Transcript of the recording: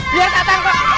biar katakan bu